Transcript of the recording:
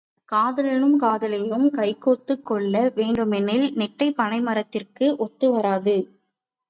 காதலனும் காதலியும் கைகோத்துக் கொள்ள வேண்டுமெனில், நெட்டைப் பனை மரத்திற்கு ஒத்து வராது.